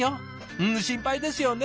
うん心配ですよね